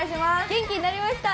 元気になりました